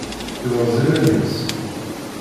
Yurez-iman-is.